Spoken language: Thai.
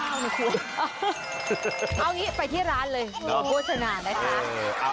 เอาอย่างนี้ไปที่ร้านเลยโงโพชนานะครับ